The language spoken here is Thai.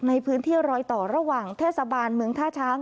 ในพื้นที่รอยต่อระหว่างเทศบาลเมืองท่าช้าง